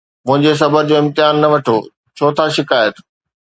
منهنجي صبر جو امتحان نه وٺو، ڇو ٿا شڪايت؟